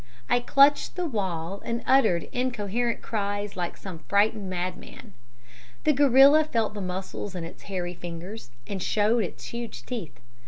I clutched the wall and uttered incoherent cries like some frightened madman. "The gorilla felt the muscles in its hairy fingers, and showed its huge teeth.